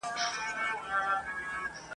یو څو نومونه څو جنډۍ د شهیدانو پاته !.